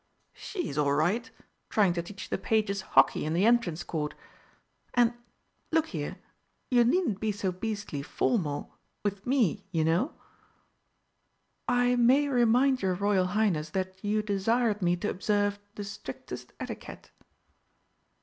"She's all right trying to teach the Pages hockey in the Entrance Court. And look here, you needn't be so beastly formal with me, you know." "I may remind your Royal Highness that you desired me to observe the strictest etiquette."